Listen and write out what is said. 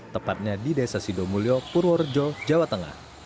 tepatnya di desa sidomulyo purworejo jawa tengah